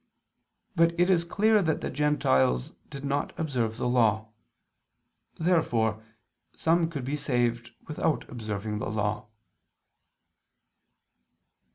But it is clear that the Gentiles did not observe the Law. Therefore some could be saved without observing the Law.